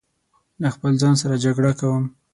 له خپل ځان سره جګړه کوم